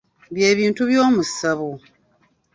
Bye bintu by'omu ssabo.